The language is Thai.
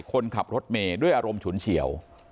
คนขับรถเมย์ด้วยอารมณ์ฉุนเฉียว